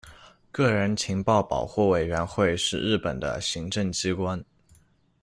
个人情报保护委员会是日本的行政机关。